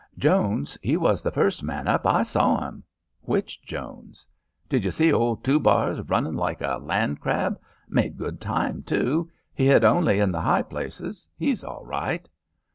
"Jones, he was the first man up. I saw 'im." "Which Jones?" "Did you see ol' Two bars runnin' like a land crab? Made good time, too. He hit only in the high places. He's all right."